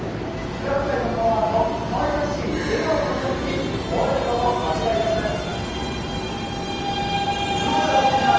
規格外のパワーと可愛らしい笑顔のギャップに萌えること間違いなしです。